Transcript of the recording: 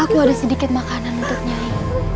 aku ada sedikit makanan untuk nyanyi